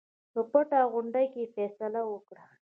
په پټه غونډه کې فیصله وکړه.